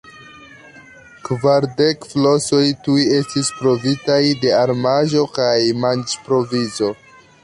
Kvardek flosoj tuj estis provizitaj de armaĵo kaj manĝprovizo.